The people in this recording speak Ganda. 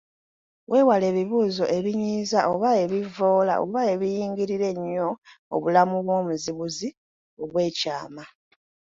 Weewale ebibuuzo ebinyiiza oba ebivvoola oba ebiyingirira ennyo obulamu bw’omuzibuzi obw’ekyama.